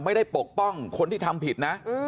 ปกป้องคนที่ทำผิดนะ